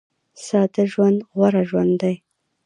ساده ژوند غوره ژوند دی